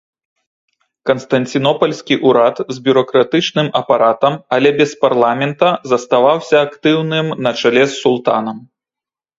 Канстанцінопальскі ўрад, з бюракратычным апаратам, але без парламента, заставаўся актыўным на чале з султанам.